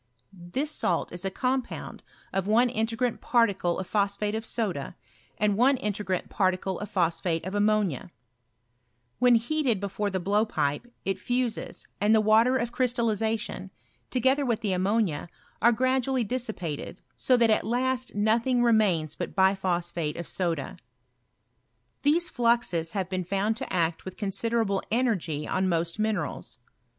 TfaiB salt is a compound of one integ^ni particle of phoa phateof aoda, and one integrant particle of phosphate of ammonia When heated before the blowpipe it fuses, and the water of crystallization, together with the ammonia, are gradually dissipated, so that at last nothing remains but biphosphate of soda. These fluxes have been found to act with consideraUe energy on most minerals.